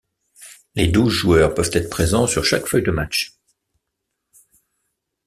Les douze joueurs peuvent être présents sur chaque feuille de match.